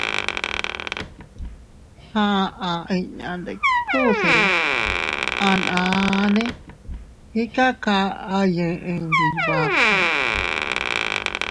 Aʼa inña ndikuse a naane ikakay eʼey ndi Iybaku.